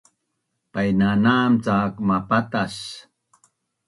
Painanam cak mapatas